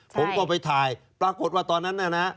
ผมก็ไปถ่ายปรากฏว่าตอนนั้นน่ะนะ